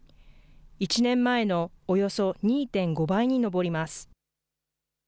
１年前のおよそ２．５倍に上ります。